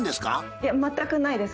いや全くないです。